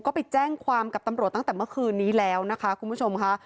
ก็ไปแจ้งความกับตำรวจตั้งแต่เมื่อคืนนี้แล้วนะคะคุณผู้ชมค่ะ